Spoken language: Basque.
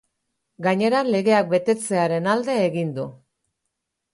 Gainera, legeak betetzearen alde egin du.